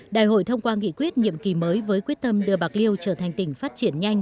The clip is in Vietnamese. đại hội thông qua nghị quyết nhiệm kỳ mới với quyết tâm đưa bạc liêu trở thành tỉnh phát triển nhanh